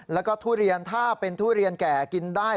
แล้วก็ทุเรียนถ้าเป็นทุเรียนแก่กินได้